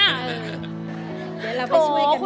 โหคุณแม่